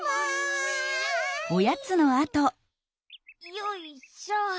よいしょ。